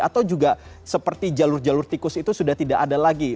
atau juga seperti jalur jalur tikus itu sudah tidak ada lagi